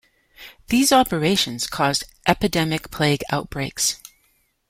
These operations caused epidemic plague outbreaks.